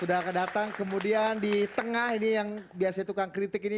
udah datang kemudian di tengah ini yang biasanya tukang kritik ini